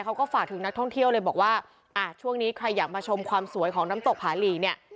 เขาก็ฝากถึงนักท่องเที่ยวเลยบอกว่าอ่ะช่วงนี้ใครอยากมาชมความสวยของน้ำตกผาหลีเนี่ย